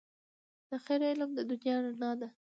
د خیر عمل د دنیا رڼا ده.